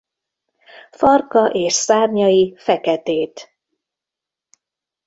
Farka és szárnyai feketét.